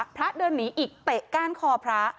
พระเดินหนีอีกเตะก้านคอพระ